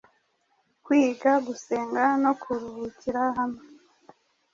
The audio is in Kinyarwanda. kwiga, gusenga no kuruhukira hamwe